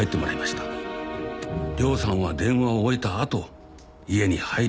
涼さんは電話を終えたあと家に入り。